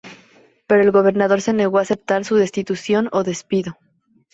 Pero el Gobernador se negó a aceptar su destitución ó despido.